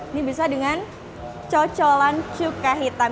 ini bisa dengan cocolan cuka hitam